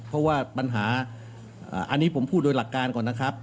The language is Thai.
เพราะว่าปัญหาอันนี้ผมพูดโดยหลักการก่อนนะครับ